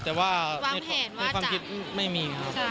แต่ว่าในความคิดไม่มีครับ